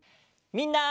みんな。